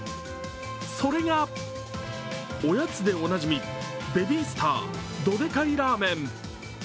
それがおやつでおなじみ、ベビースタードデカイラーメン。